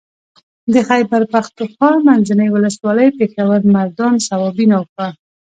د خېبر پښتونخوا منځنۍ ولسوالۍ پېښور مردان صوابۍ نوښار